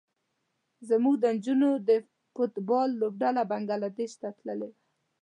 زموږ د نجونو د فټ بال لوبډله بنګلادیش ته تللې وه.